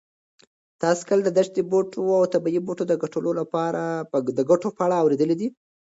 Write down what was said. تاسو کله د دښتي بوټو او طبي بوټو د ګټو په اړه اورېدلي دي؟